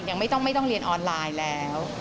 ไม่ต้องเรียนออนไลน์แล้ว